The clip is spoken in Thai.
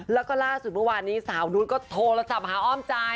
แล้วก็ล่าสุดเมื่อวานนี้สาวนุษย์ก็โทรศัพท์หาอ้อมใจ